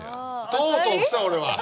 とうとうきた俺は！